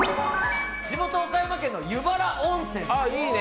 地元・岡山県の湯原温泉。